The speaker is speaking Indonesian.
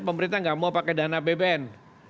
pemerintah enggak mau pakai dana apbn